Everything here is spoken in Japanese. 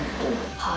はい。